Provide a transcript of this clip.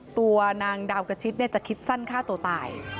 ตัวนางดาวกระชิดจะคิดสั้นฆ่าตัวตาย